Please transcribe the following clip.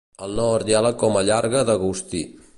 Al nord hi ha la Coma Llarga d'Agustí.